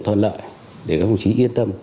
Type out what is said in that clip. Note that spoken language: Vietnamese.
thuận lợi để các đồng chí yên tâm